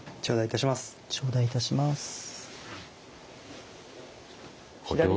頂戴いたします。